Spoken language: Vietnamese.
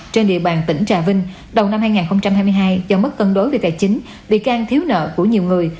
trên địa bàn tỉnh trà vinh đầu năm hai nghìn hai mươi hai do mất cân đối về tài chính bị can thiếu nợ của nhiều người